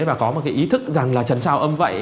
và có một cái ý thức rằng là trần sao âm vậy